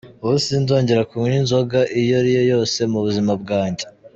Ubu sinzongera kunywa inzoga iyo ariyo yose mu buzima bwanjye.